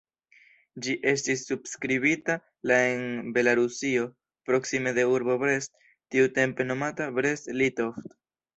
Ĝi estis subskribita la en Belarusio, proksime de urbo Brest, tiutempe nomata "Brest-Litovsk'".